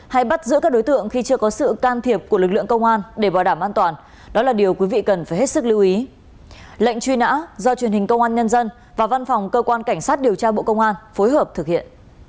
hãy đăng ký kênh để ủng hộ kênh của chúng mình nhé